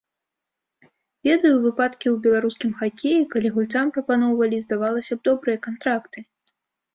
Ведаю выпадкі ў беларускім хакеі, калі гульцам прапаноўвалі, здавалася б, добрыя кантракты.